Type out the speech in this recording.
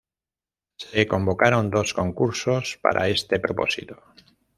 Se convocaron dos concursos para este propósito.